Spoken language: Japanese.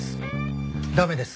駄目です。